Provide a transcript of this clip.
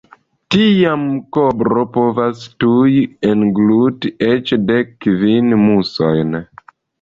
Tiam kobro povas tuj engluti eĉ dek kvin musojn.